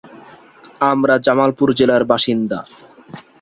এই অধ্যায়ের মূল বিষয় ছিল মন্দির নির্মাণ শিল্প।